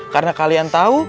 karena kalian tahu